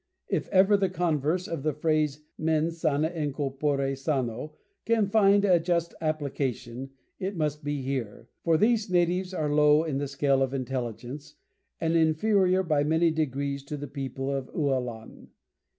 If ever the converse of the phrase mens sana in corpore sano can find a just application, it must be here, for these natives are low in the scale of intelligence, and inferior by many degrees to the people of Ualan.